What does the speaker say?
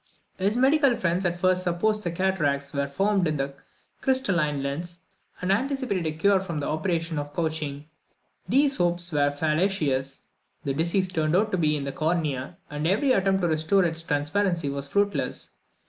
His medical friends at first supposed that cataracts were formed in the crystalline lens, and anticipated a cure from the operation of couching. These hopes were fallacious. The disease turned out to be in the cornea, and every attempt to restore its transparency was fruitless.